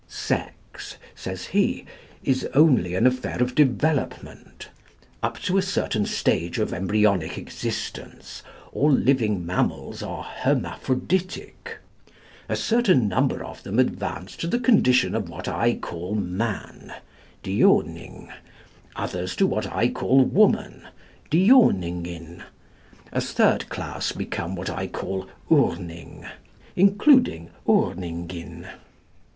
"Sex," says he, "is only an affair of development. Up to a certain stage of embryonic existence all living mammals are hermaphroditic. A certain number of them advance to the condition of what I call man (Doining), others to what I call woman (Dioningin), a third class become what I call Urning (including Urningin).